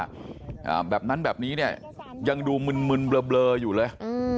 บรรยายรอมแปบนั้นแบบนี้ยังดูหมุนเบลออยู่เลย